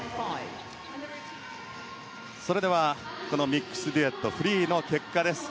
それではミックスデュエットフリーの結果です。